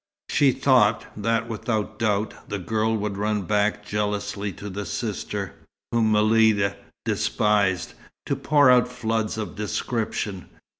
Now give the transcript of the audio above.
She thought, that without doubt, the girl would run back jealously to the sister (whom Miluda despised) to pour out floods of description.